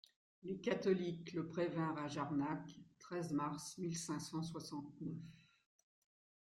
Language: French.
Les catholiques le prévinrent à Jarnac (treize mars mille cinq cent soixante-neuf).